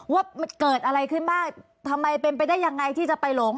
ว่ามันเกิดอะไรขึ้นบ้างทำไมเป็นไปได้ยังไงที่จะไปหลง